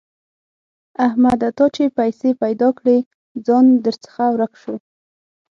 احمده! تا چې پيسې پیدا کړې؛ ځان درڅخه ورک شو.